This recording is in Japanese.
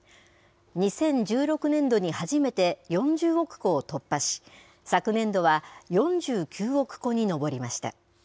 ２０１６年度に初めて４０億個を突破し、昨年度は４９億個に上りました。